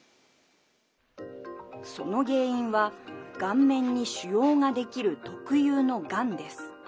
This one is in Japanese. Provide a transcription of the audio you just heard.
その原因は、顔面に腫瘍ができる特有のがんです。